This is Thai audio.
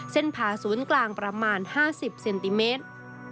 ผ่าศูนย์กลางประมาณ๕๐เซนติเมตร